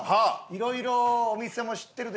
いろいろお店も知ってるでしょうけど。